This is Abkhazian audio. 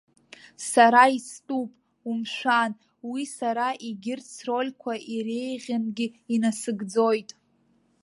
Сара истәуп, умшәан, уи сара егьырҭ срольқәа иреиӷьынгьы инасыгӡоит.